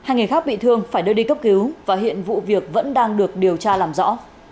hai người khác bị thương phải đưa đi cấp cứu và hiện vụ việc vẫn đang được điều tra làm rõ